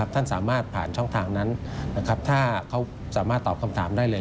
ท่านสามารถผ่านช่องทางนั้นถ้าเขาสามารถตอบคำถามได้เลย